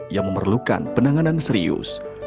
yang memerlukan penanganan serius